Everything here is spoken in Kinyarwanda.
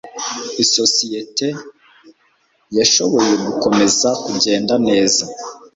Isosiyete yashoboye gukomeza kugenda neza.